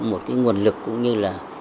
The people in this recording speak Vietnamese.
một cái nguồn lực cũng như là